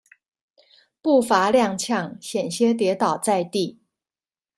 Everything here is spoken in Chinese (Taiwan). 步伐踉蹌險些跌倒在地